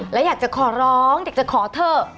และอยากจะขอร้องอยากจะขอเถอะ